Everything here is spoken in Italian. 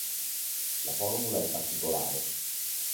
La formula è particolare.